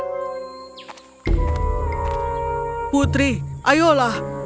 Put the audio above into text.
saya akan menyekatnya dengan kemelungan perasaan